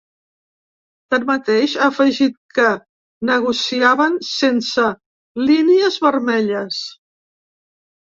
Tanmateix, ha afegit que negociaven “sense línies vermelles”.